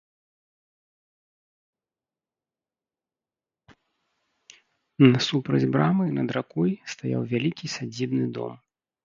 Насупраць брамы, над ракой, стаяў вялікі сядзібны дом.